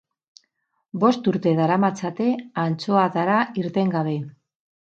Bost urte daramatzate antxoatara irten gabe.